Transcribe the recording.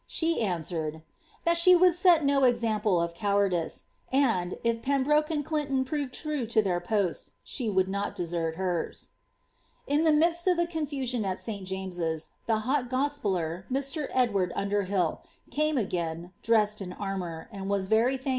She answered, ^that she would set no example of cowardice; and, if Pembroke and Clinton proved true to their poets, she would not desert hers."* In the midst of the confusion at St. James's, the Hot Gospeller, Mr. Edward Underbill, came again, dressed in armour, and was very thuk * StoweV Annals.